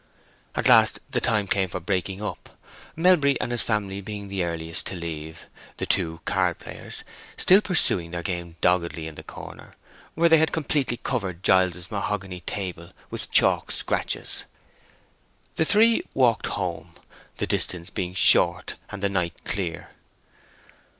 At last the time came for breaking up, Melbury and his family being the earliest to leave, the two card players still pursuing their game doggedly in the corner, where they had completely covered Giles's mahogany table with chalk scratches. The three walked home, the distance being short and the night clear.